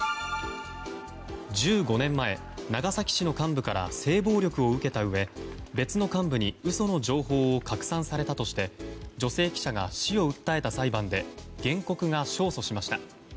１５年前、長崎市の幹部から性暴力を受けたうえ別の幹部に嘘の情報を拡散されたとして女性記者が市を訴えた裁判で原告が勝訴しました。